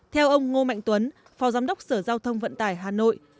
theo ông ngô mạnh tuấn phó giám đốc sở giao thông vận tải hà nội